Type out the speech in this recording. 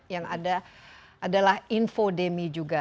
yang ada adalah infodemi juga